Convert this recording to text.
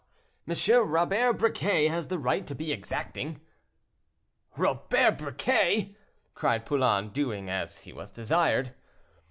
M. Robert Briquet has the right to be exacting." "Robert Briquet!" cried Poulain, doing as he was desired.